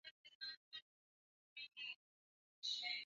akaeleza kuwa wewe una uwezo mkubwa wa kupanga mawazo kujenga hoja lakini